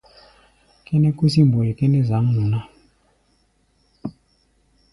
Kʼɛ́nɛ́ kúsí mbɔi kʼɛ́nɛ́ zǎŋnu ná.